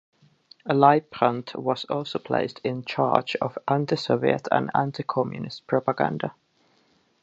Leibbrandt was also placed in charge of anti-Soviet and anti-Communist propaganda.